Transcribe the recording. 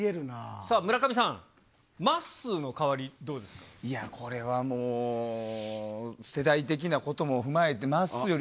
さあ、村上さん、まっすーのいや、これはもう、世代的なことも踏まえて、まっすーより